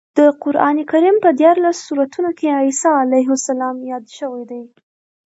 د قرانکریم په دیارلس سورتونو کې عیسی علیه السلام یاد شوی دی.